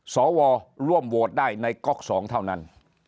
สวร่วมโหวตได้ในก๊อก๒เท่านั้น